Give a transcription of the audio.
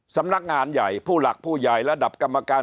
สำนักงานใหญ่ผู้หลักผู้ใหญ่ระดับกรรมการ